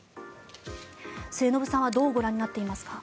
末延さんはどうご覧になっていますか。